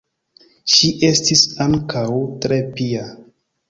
Ŝi estis ankaŭ tre pia.